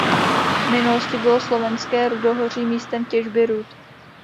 V minulosti bylo Slovenské rudohoří místem těžby rud.